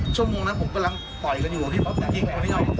ชั่วโมงหนักผมกำลังต่อยกันอยู่